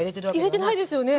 入れてないですよね？